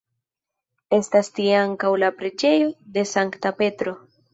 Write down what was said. Estas tie ankaŭ la Preĝejo de Sankta Petro.